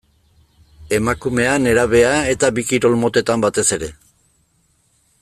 Emakumea, nerabea eta bi kirol motetan batez ere.